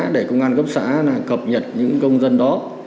để công an cấp xã cập nhật những công dân đó